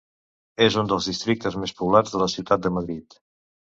És un dels districtes més poblats de la ciutat de Madrid.